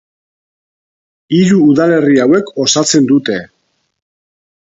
Hiru udalerri hauek osatzen dute.